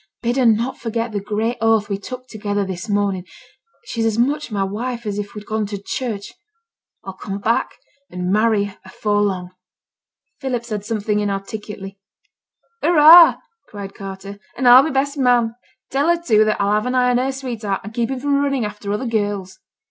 Bid her not forget the great oath we took together this morning; she's as much my wife as if we'd gone to church; I'll come back and marry her afore long.' Philip said something inarticulately. 'Hurra!' cried Carter, 'and I'll be best man. Tell her, too that I'll have an eye on her sweetheart, and keep him from running after other girls.'